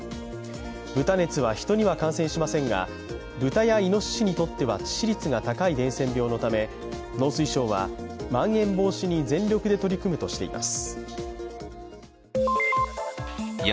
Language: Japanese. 豚熱は人には感染しませんが、豚やいのししにとっては致死率が高い伝染病のため農水省はまん延防止に全力で取り組むとしています。